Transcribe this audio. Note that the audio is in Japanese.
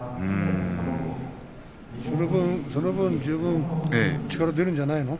その分、十分力が出るんじゃないの？